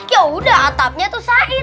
yaudah atapnya tuh said